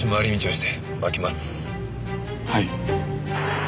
はい。